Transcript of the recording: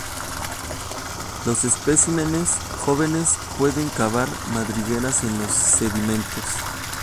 Los especímenes jóvenes pueden cavar madrigueras en los sedimentos.